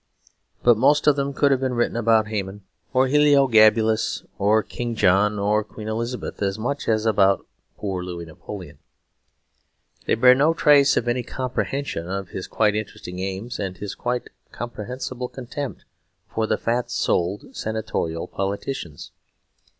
But most of them could have been written about Haman, or Heliogabalus, or King John, or Queen Elizabeth, as much as about poor Louis Napoleon; they bear no trace of any comprehension of his quite interesting aims, and his quite comprehensible contempt for the fat souled senatorial politicians.